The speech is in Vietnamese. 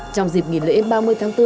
trong dịp nghỉ lễ ba mươi tháng bốn